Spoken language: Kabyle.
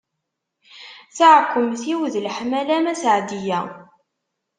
Taɛekkemt-iw d leḥmala-m a Seɛdiya.